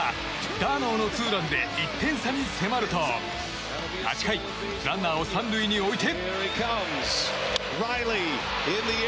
ダーノーのツーランで１点差に迫ると８回ランナーを３塁に置いて。